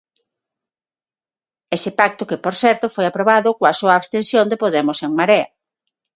Ese pacto que, por certo, foi aprobado coa soa abstención de Podemos-En Marea.